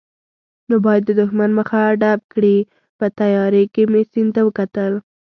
نو باید د دښمن مخه ډب کړي، په تیارې کې مې سیند ته وکتل.